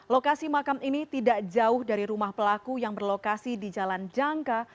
lokasi makam ini tidak jauh dari rumah pelaku yang berlokasi di jalan jangka